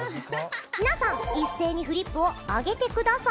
皆さん一斉にフリップを上げてください。